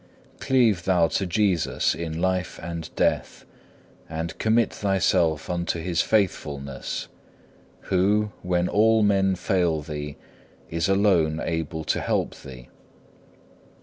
2. Cleave thou to Jesus in life and death, and commit thyself unto His faithfulness, who, when all men fail thee, is alone able to help thee.